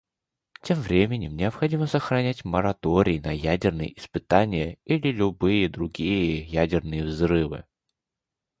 Тем временем необходимо сохранять мораторий на ядерные испытания или любые другие ядерные взрывы.